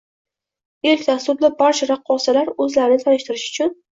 Ilk dasturda barcha raqqosalar o‘zlarini tanishtirish uchun